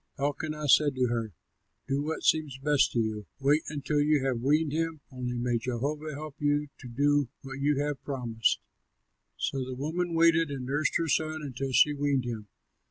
Elkanah said to her, "Do what seems best to you; wait until you have weaned him; only may Jehovah help you to do what you have promised." So the woman waited and nursed her son until she weaned him.